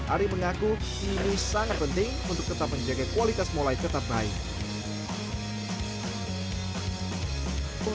ari mengaku ini sangat penting untuk kita menjaga kualitas molai tetap baik